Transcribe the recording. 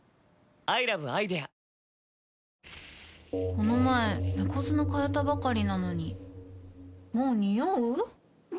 この前猫砂替えたばかりなのにもうニオう？